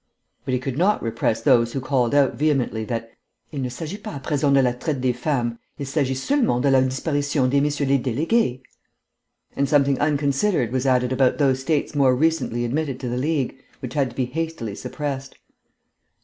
But he could not repress those who called out vehemently that "Il ne s'agit pas à present de la traite des femmes; il s'agit seulement de la disparition de Messieurs les Délégués!" And something unconsidered was added about those states more recently admitted to the League, which had to be hastily suppressed.